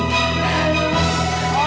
kamu menyebabkan itu